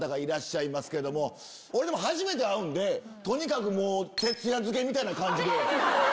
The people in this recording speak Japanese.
俺初めて会うんでとにかく徹夜漬けみたいな感じで。